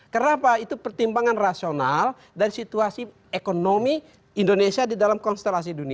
kenapa itu pertimbangan rasional dan situasi ekonomi indonesia di dalam konstelasi dunia